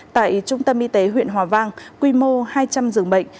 tại trung tâm y tế huyện hòa vang quy mô hai trăm linh giường bệnh